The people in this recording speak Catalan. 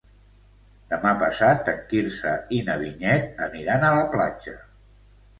Demà passat en Quirze i na Vinyet aniran a la platja.